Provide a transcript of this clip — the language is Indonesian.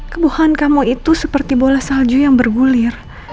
kebuhan kamu itu seperti bola salju yang bergulir